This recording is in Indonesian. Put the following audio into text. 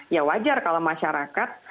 ya wajar kalau masyarakat